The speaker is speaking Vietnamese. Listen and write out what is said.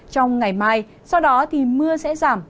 trong ngày mai sau đó thì mưa sẽ giảm